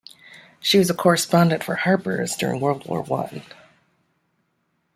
She was a correspondent for "Harper's" during World War One.